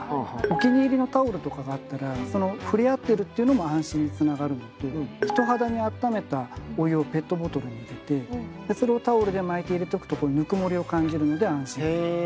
お気に入りのタオルとかがあったら触れ合ってるっていうのも安心につながるのと人肌にあっためたお湯をペットボトルに入れてそれをタオルで巻いて入れておくとぬくもりを感じるので安心するとか。